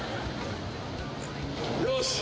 よし。